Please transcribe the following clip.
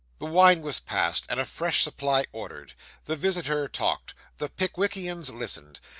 The wine was passed, and a fresh supply ordered. The visitor talked, the Pickwickians listened.